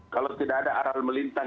kalau tidak ada aral melintang